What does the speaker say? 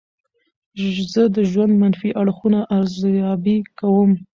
زه د ژوند منفي اړخونه ارزیابي کوم.